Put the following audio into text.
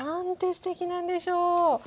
すてきなんでしょう。